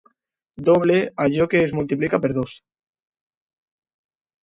Doble, allò que es multiplica per dos.